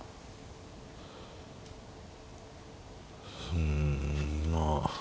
うんまあ